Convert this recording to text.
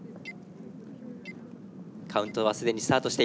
カウントは既にスタートしています。